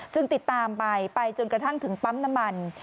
ติดตามไปไปจนกระทั่งถึงปั๊มน้ำมัน